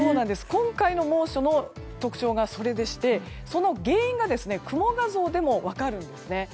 今回の猛暑の特徴がそれでしてその原因が雲画像でも分かるんですね。